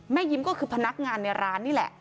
ยิ้มก็คือพนักงานในร้านนี่แหละ